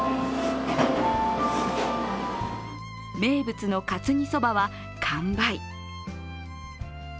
名物のかつ煮そばは完売。